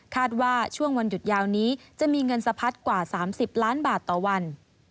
ว่าช่วงวันหยุดยาวนี้จะมีเงินสะพัดกว่า๓๐ล้านบาทต่อวัน